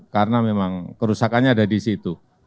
karena memang kerusakannya ada di situ